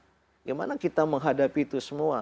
bagaimana kita menghadapi itu semua